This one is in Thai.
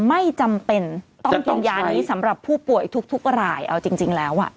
ไม่จำเป็นต้องกินยานี้สำหรับผู้ป่วยทุกรายเอาจริงแล้วอ่ะ